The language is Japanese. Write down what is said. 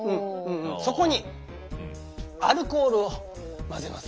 そこにアルコールを混ぜます。